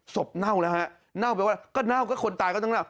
เน่าแล้วฮะเน่าแปลว่าก็เน่าก็คนตายก็ต้องเน่า